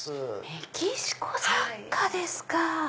メキシコ雑貨ですか！